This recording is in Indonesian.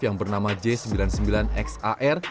yang bernama j sembilan puluh sembilan xar